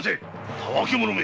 たわけ者め！